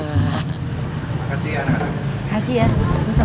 makasih ya anak anak